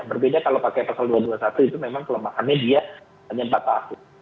berbeda kalau pakai pasal dua ratus dua puluh satu itu memang kelemahannya dia hanya empat tahun